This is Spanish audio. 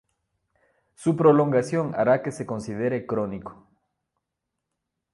Su prolongación hará que se considere crónico.